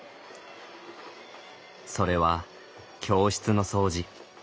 それは教室の掃除。